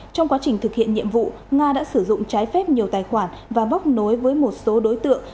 trong quá trình thực hiện nhiệm vụ nga đã sử dụng trái phép nhiều tài khoản và bóc nối với một số đối tượng